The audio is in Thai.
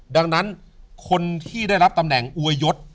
ดังนั้นคนที่ได้รับตำแหน่งอวยยศ